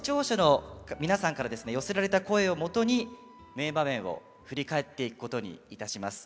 寄せられた声をもとに名場面を振り返っていくことにいたします。